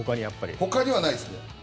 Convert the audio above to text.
他にはないですね。